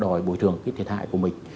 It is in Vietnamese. để bồi thường cái thiệt hại của mình